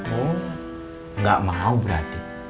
oh gak mau berarti